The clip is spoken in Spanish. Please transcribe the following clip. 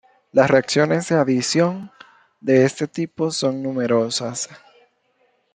Las reacciones de adición de este tipo son numerosas.